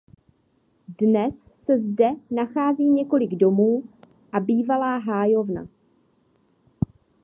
Dnes se zde nachází několik domů a bývalá hájovna.